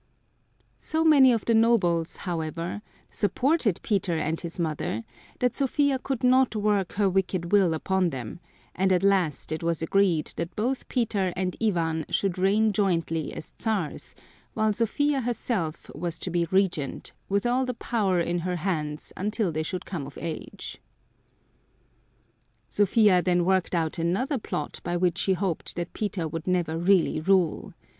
So many of the nobles, however, supported Peter and his mother, that Sophia could not work her wicked will upon them, and at last it was agreed that both Peter and Ivan should reign jointly as Czars, while Sophia herself was to be Regent, with all the power in her hands until they should come of age. Sophia then worked out another plot by which she hoped that Peter would never really rule.